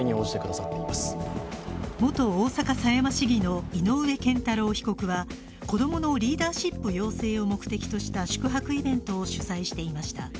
元大阪狭山市議の井上健太郎被告は子供のリーダーシップ養成を目的とした宿泊イベントを主催していました。